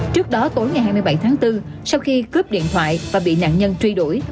trước đó tối ngày hai mươi bảy tháng bốn sau khi cướp điện thoại và bị nạn nhân truy đuổi